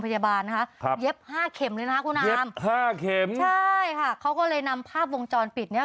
พยาบาลนะคะครับเย็บห้าเข็มเลยนะคะคุณอาเย็บห้าเข็มใช่ค่ะเขาก็เลยนำภาพวงจรปิดเนี้ย